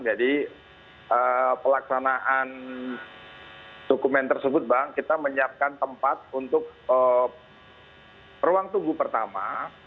jadi pelaksanaan dokumen tersebut bang kita menyiapkan tempat untuk ruang tunggu pertama